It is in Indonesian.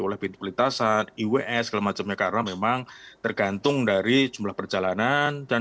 oleh pembintu perlintasan iws dan segala macamnya karena memang tergantung dari jumlah perjalanan